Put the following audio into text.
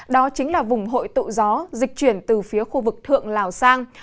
đó chính là vùng hội tụ gió dịch chuyển từ phía khu vực thượng lào sang